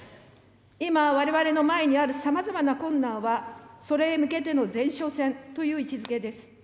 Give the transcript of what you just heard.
今、われわれの前にあるさまざまな困難は、それへ向けての前哨戦という位置づけです。